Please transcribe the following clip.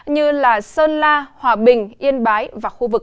như sơn la hòa bình yên bái và khu vực